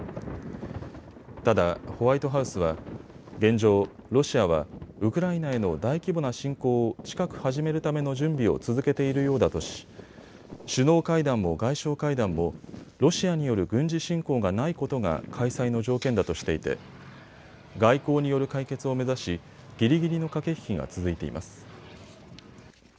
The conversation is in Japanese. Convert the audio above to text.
ただホワイトハウスは現状、ロシアはウクライナへの大規模な侵攻を近く始めるための準備を続けているようだとし首脳会談も外相会談も、ロシアによる軍事侵攻がないことが開催の条件だとしていて外交による解決を目指しぎりぎりの駆け引きが続いています。